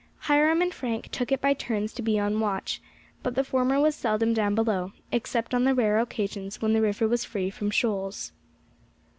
Hiram and Frank took it by turns to be on watch; but the former was seldom down below, except on the rare occasions when the river was free from shoals.